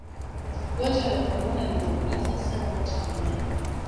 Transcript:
gonjwa la korona linaumiza sana watu duniani